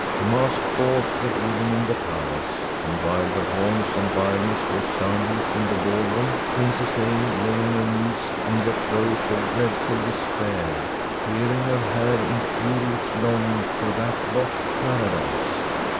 Masked balls were given in the palace, and while the horns and violins were sounding in the ballroom Princess A. lay on her knees in the throes of dreadful despair, tearing her hair in furious longing for that lost paradise.